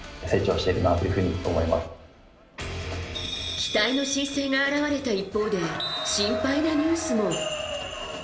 期待の新星が現れた一方で心配なニュースも。